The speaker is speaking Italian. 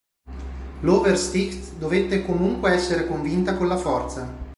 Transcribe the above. L'Oversticht dovette comunque essere convinta con la forza.